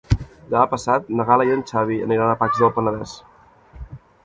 Demà passat na Gal·la i en Xavi aniran a Pacs del Penedès.